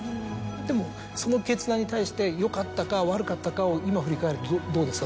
でもその決断に対してよかったか悪かったかを今振り返るとどうですか？